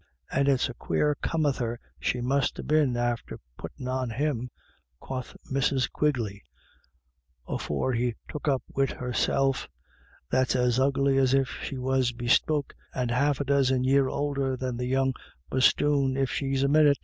"And it's a quare comether she must ha* been after puttin' on him," quoth Mrs. Quigley, " afore he took up wid herself, that's as ugly as if she was bespoke, and half a dozen year oulder than the young bosthoon if she's a minnit."